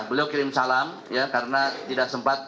beliau kirim salam ya karena tidak sempat